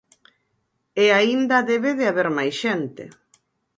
E aínda debe de haber máis xente.